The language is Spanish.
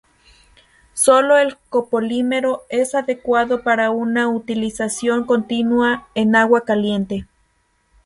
Sólo el copolímero es adecuado para una utilización continua en agua caliente.